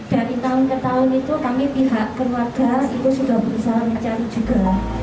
dari tahun ke tahun itu kami pihak keluarga itu sudah berusaha mencari juga